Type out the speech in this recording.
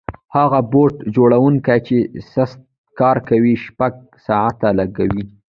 هغه بوټ جوړونکی چې سست کار کوي شپږ ساعته لګوي.